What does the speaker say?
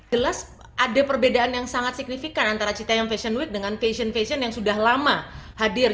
jelas ada perbedaan yang sangat signifikan antara citayam fashion week dengan fashion fashion yang sudah lama hadir